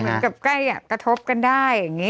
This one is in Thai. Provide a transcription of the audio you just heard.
เหมือนกับใกล้กระทบกันได้อย่างงี้